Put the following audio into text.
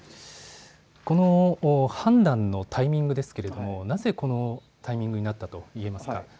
この判断のタイミングですけれども、なぜこのタイミングになったといえますか。